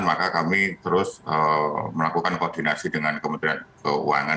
maka kami terus melakukan koordinasi dengan kementerian keuangan